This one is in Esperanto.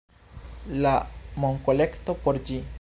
... la monkolekto por ĝi